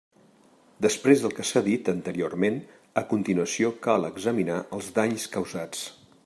Després del que s'ha dit anteriorment, a continuació cal examinar els danys causats.